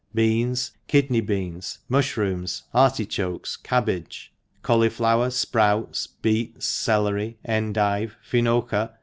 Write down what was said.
Beans Kidney Beans Mu(h rooms Artichokes Cabbages Cauliflowers Sprouts Beets Celery Endive F R UIT.